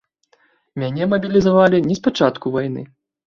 Мяне мабілізавалі не спачатку вайны.